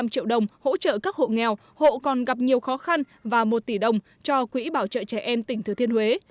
ba trăm hai mươi năm triệu đồng hỗ trợ các hộ nghèo hộ còn gặp nhiều khó khăn và một tỷ đồng cho quỹ bảo trợ trẻ em tỉnh thừa thiên huế